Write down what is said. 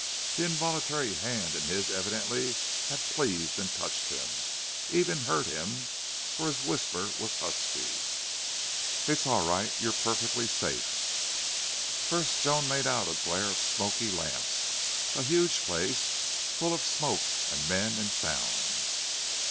That involuntary hand in his evidently had pleased and touched him, even hurt him, for his whisper was husky. "It's all right you're perfectly safe." First Joan made out a glare of smoky lamps, a huge place full of smoke and men and sounds.